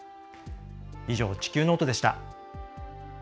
以上、「地球ノート」でした。